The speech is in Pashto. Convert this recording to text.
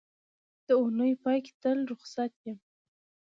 د اونۍ پای کې تل روخصت یم